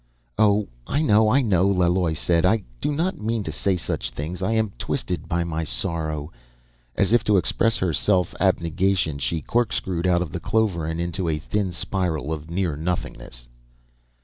"Oh, I know, I know," Laloi said. "I do not mean to say such things. I am twisted by my sorrow ..." As if to express her self abnegation, she corkscrewed out of the clover and into a thin spiral of near nothingness.